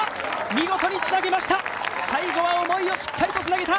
見事につなげました、最後は思いをしっかりつなげた！